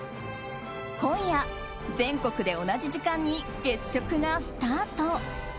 今夜、全国で同じ時間に月食がスタート。